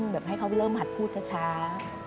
ให้เขาไปเริ่มหัดพูดช้า